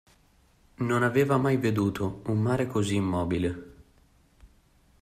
Non aveva mai veduto un mare così immobile.